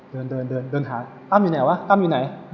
เดินเดินเดินหาตั้มอยู่ไหนวะตั้มอยู่ไหน